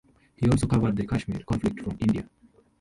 He also covered the Kashmir conflict from India.